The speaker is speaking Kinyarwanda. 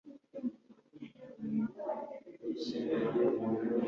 Francis of Assisi/ Francois d’Assise